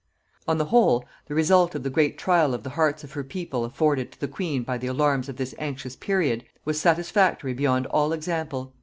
On the whole, the result of the great trial of the hearts of her people afforded to the queen by the alarms of this anxious period, was satisfactory beyond all example.